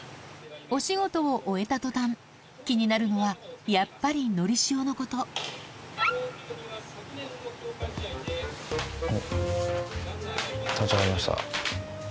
お仕事を終えた途端気になるのはやっぱりのりしおのことそうですよね。